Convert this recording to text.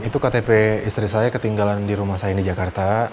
itu ktp istri saya ketinggalan di rumah saya di jakarta